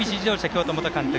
京都元監督